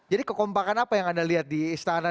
jadi kekompakan apa yang anda lihat di istana